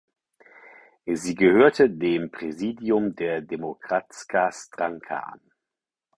Sie gehörte dem Präsidium der Demokratska Stranka an.